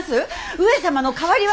上様の代わりは。